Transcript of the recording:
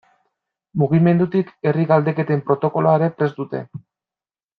Mugimendutik herri galdeketen protokoloa ere prest dute.